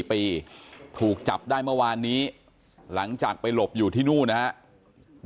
ยี่สิบสี่ปีถูกจับได้เมื่อวานนี้หลังจากไปหลบอยู่ที่นู่นนะฮะ